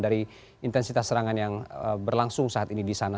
dari intensitas serangan yang berlangsung saat ini di sana